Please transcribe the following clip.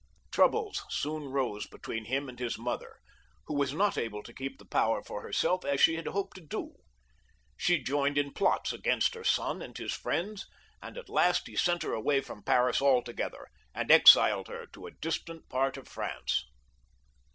Troubles soon rose between him and his mother, who was not able to keep the power for herself as she had hoped to do. She joined in plots against her son and his fiiends, and at last he sent her away from . Paris altogether, and exiled her to a distant part of France.